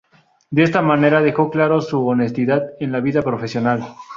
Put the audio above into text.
De esta manera dejó claro su honestidad en la vida profesional.